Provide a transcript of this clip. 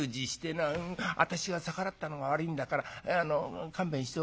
「私が逆らったのが悪いんだから勘弁しておくれ。